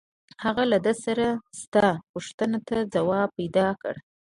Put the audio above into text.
هغه له ده سره شته پوښتنو ته ځواب پیدا کړ